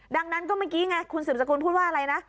ดังนั้นก็เมื่อกี้ไงคุณสืบสกุลพูดว่าอะไรนะ